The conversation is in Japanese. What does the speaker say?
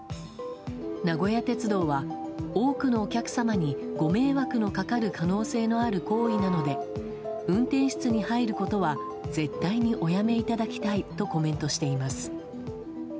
名古屋鉄道は、多くのお客様にご迷惑のかかる可能性のある行為なので運転室に入ることは絶対におやめいただきたいとコメントしています。